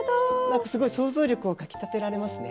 すごい想像力をかきたてられますね。